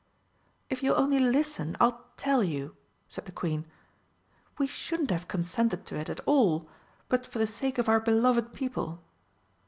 "If you'll only listen, I'll tell you," said the Queen. "We shouldn't have consented to it at all but for the sake of our beloved people."